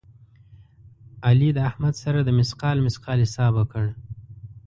علي د احمد سره د مثقال مثقال حساب وکړ.